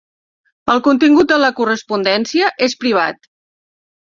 El contingut de la correspondència és privat.